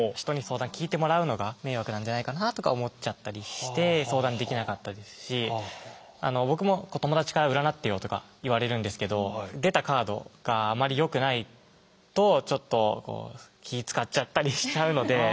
人に相談聞いてもらうのが迷惑なんじゃないかなとか思っちゃったりして相談できなかったですし僕も友達から占ってよとか言われるんですけど出たカードがあまりよくないとちょっと気ぃ遣っちゃったりしちゃうので。